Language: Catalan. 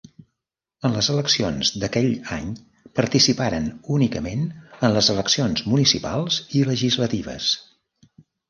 En les eleccions d'aquell any participaren únicament en les eleccions municipals i legislatives.